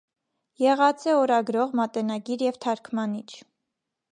Եղած է օրագրող, մատենագիր եւ թարգմանիչ։